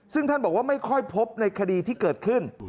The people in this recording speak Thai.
ซึ่งท่านบอกว่าไม่ค่อยพบในคดีที่เกิดขึ้น